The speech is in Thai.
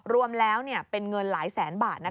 รวมแล้วเป็นเงินหลายแสนบาท